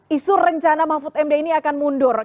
isu rencana mahfud md ini akan mundur